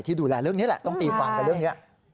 ดูแลเรื่องนี้แหละต้องตีความกับเรื่องนี้